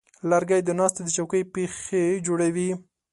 لرګی د ناستې د چوکۍ پښې جوړوي.